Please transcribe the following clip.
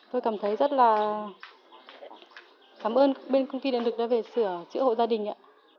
tôi cảm thấy rất là cảm ơn bên công ty điện lực về sửa chữa hộ gia đình ạ